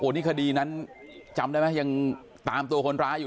นี่คดีนั้นจำได้ไหมยังตามตัวคนร้ายอยู่